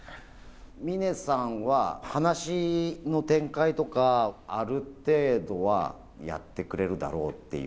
峰さんは、話の展開とかある程度はやってくれるだろうっていう。